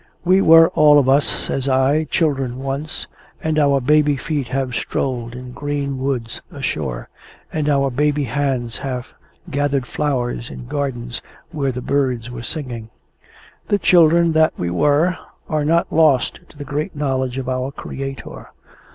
"We were all of us," says I, "children once; and our baby feet have strolled in green woods ashore; and our baby hands have gathered flowers in gardens, where the birds were singing. The children that we were, are not lost to the great knowledge of our Creator.